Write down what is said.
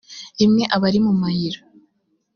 rimwe aba ari mu mayira